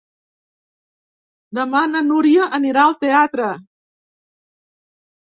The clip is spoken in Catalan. Demà na Núria anirà al teatre.